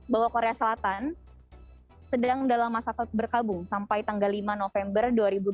bahwa korea selatan sedang dalam masa berkabung sampai tanggal lima november dua ribu dua puluh